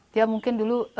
dia mungkin dulu